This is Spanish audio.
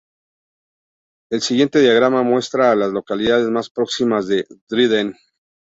El siguiente diagrama muestra a las localidades más próximas a Dryden.